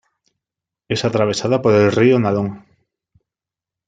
Es atravesada por el río Nalón.